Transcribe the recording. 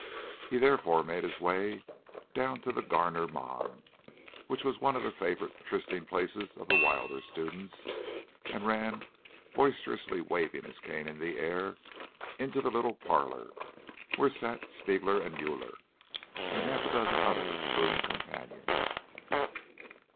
He therefore made his way down to the Grüner Mann, which was one of the favourite trysting places of the wilder students, and ran, boisterously waving his cane in the air, into the little parlour, where sat Spiegler and Müller and half a dozen other boon companions.